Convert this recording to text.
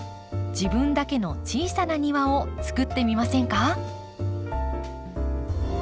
自分だけの小さな庭をつくってみませんか？